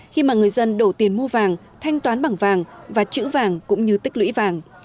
khi mà người dân đổ tiền mua vàng thanh toán bằng vàng và chữ vàng cũng như tích lũy vàng